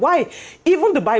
bahkan alkitab mengatakan